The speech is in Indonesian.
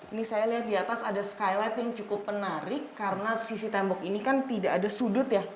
ini saya lihat di atas ada skylight yang cukup menarik karena sisi tembok ini kan tidak ada sudut ya